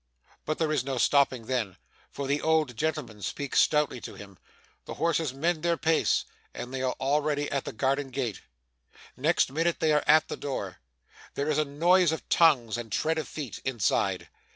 But there is no stopping then, for the old gentleman speaks stoutly to him, the horses mend their pace, and they are already at the garden gate. Next minute, they are at the door. There is a noise of tongues, and tread of feet, inside.